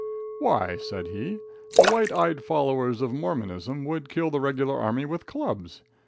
"Why," said he, "the white eyed followers of Mormonism would kill the regular army with clubs.